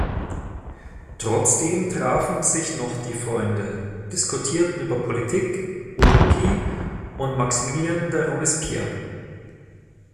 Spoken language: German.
Trotzdem trafen sich noch die Freunde, diskutierten über Politik, Utopie und Maximilien de Robespierre.